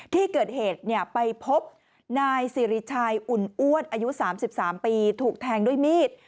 ที่เกิดเหตุไปพบนายสิริชัยอุ่นอ้วนอายุ๓๓ปีถูกแทงด้วยมีด